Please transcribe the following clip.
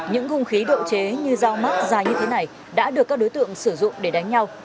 những hung khí độ chế như dao mắt dài như thế này đã được các đối tượng sử dụng để đánh nhau